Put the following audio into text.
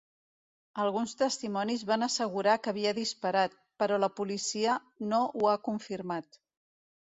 Alguns testimonis van assegurar que havia disparat, però la policia no ho ha confirmat.